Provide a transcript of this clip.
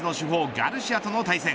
ガルシアとの対戦。